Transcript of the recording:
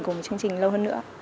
cùng chương trình lâu hơn nữa